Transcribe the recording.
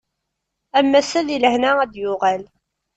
Am wass-a di lehna ad d-yuɣal.